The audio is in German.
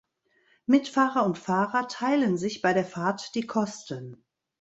Mitfahrer und Fahrer teilen sich bei der Fahrt die Kosten.